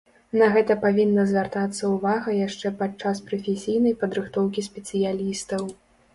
На гэта павінна звяртацца ўвага яшчэ падчас прафесійнай падрыхтоўкі спецыялістаў.